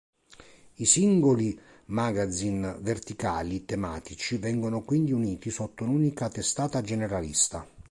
I singoli magazine verticali tematici vengono quindi uniti sotto un'unica testata generalista.